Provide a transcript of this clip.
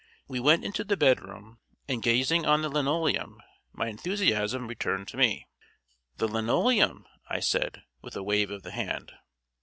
We went into the bedroom and, gazing on the linoleum, my enthusiasm returned to me. "The linoleum," I said, with a wave of the hand.